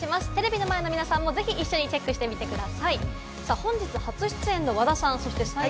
テレビの前の皆さんも一緒にぜひチェックしてみてください。